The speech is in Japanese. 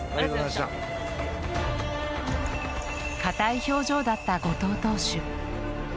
硬い表情だった後藤投手。